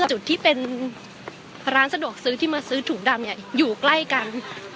จุดที่เป็นร้านสะดวกซื้อที่มาซื้อถุงดำเนี่ยอยู่ใกล้กัน